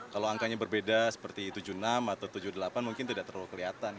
kalau angkanya berbeda seperti tujuh puluh enam atau tujuh puluh delapan mungkin tidak terlalu kelihatan